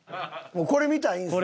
これ見たらいいんですね。